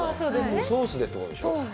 ソースでってことでしょ？